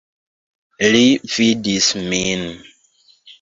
Li vidis min.